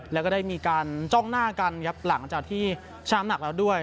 แล้วก็ได้มีการจ้องหน้ากันครับหลังจากที่ชามหนักแล้วด้วย